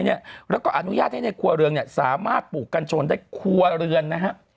แล้วก็อนุญาตให้ในครัวเรือนสามารถปลูกกัญชนได้ครัวเรือนนะฮะ